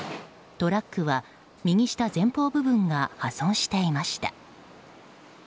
トラックは右下前方部分が破損していました。